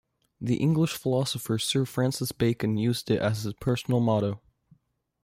The English philosopher Sir Francis Bacon used it as his personal motto.